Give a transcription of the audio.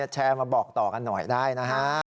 แชร์มาบอกต่อกันหน่อยได้นะฮะ